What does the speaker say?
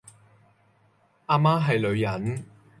阿媽係女人